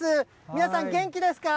皆さん、元気ですか？